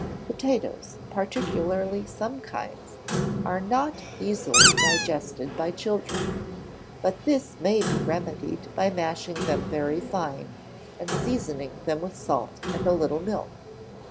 Potatoes, particularly some kinds, are not easily digested by children; but this may be remedied by mashing them very fine, and seasoning them with salt and a little milk.